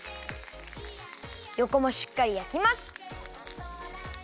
よこもしっかりやきます。